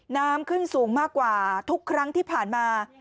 น้ำขึ้นสูงมากกว่าทุกครั้งที่ผ่านมา